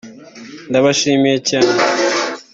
Ndabashimiye cyane